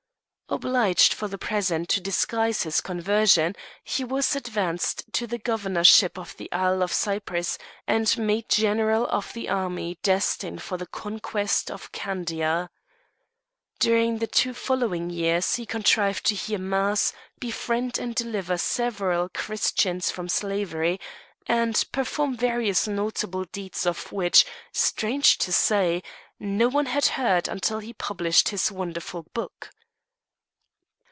Obliged for the present to disguise his conversion, he was advanced to the governorship of the Isle of Cyprus, and made general of the army destined for the conquest of Candia. During the two following years he contrived to hear mass, befriend and deliver several Christians from slavery, and perform various notable deeds, of which, strange to say, no one had heard until he published this wonderful book.